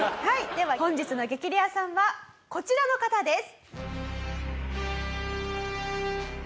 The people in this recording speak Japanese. では本日の激レアさんはこちらの方です。